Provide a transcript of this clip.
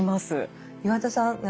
岩田さん